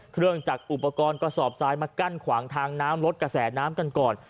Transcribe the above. เครื่องจักรอุปกรณ์กระสอบทรายมากั้นขวางทางน้ำลดกระแสน้ำกันก่อน